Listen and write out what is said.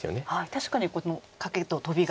確かにこのカケとトビが。